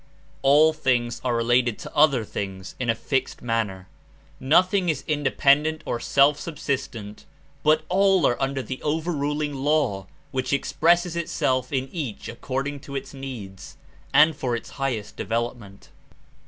All things are related to other things In a fixed man ner; nothing is independent or self subsistent but all are under the over ruling law which expresses Itself in each according to its needs and for its highest de velopment.